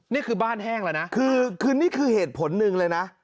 นี่คือบ้านแห้งแล้วนะคือนี่คือเหตุผลหนึ่งเลยนะ